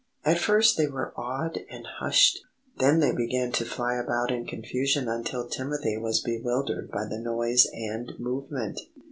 At first they were awed and hushed; then they began to fly about in confusion until Timothy was bewildered by the noise and movement.